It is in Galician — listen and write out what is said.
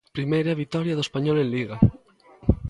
Primeira vitoria do Español en Liga.